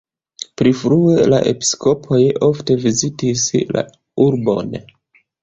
Pli frue la episkopoj ofte vizitis la urbon.